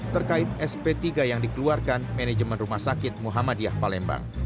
terkait sp tiga yang dikeluarkan manajemen rumah sakit muhammadiyah palembang